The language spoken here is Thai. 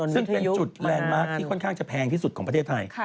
ซึ่งเป็นจุดแลนด์มาร์คที่ค่อนข้างจะแพงที่สุดของประเทศไทย